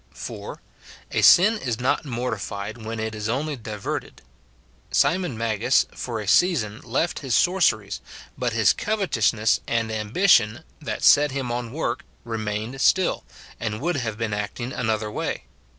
(4.) A sin is not mortified when it is only diverted. Simon Magus for a season left his sorceries; but his covetousness and ambition, that set him on work, re mained still, and would have been acting another way.